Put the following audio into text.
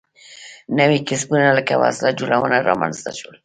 نوي کسبونه لکه وسله جوړونه رامنځته شول.